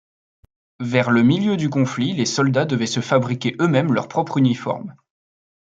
Vers le milieu du conflit les soldats devaient se fabriquer eux-mêmes leur propre uniforme.